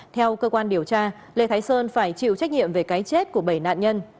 theo cơ quan điều tra lê thái sơn phải chịu trách nhiệm về cái chết của bảy nạn nhân